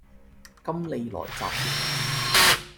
金利來集團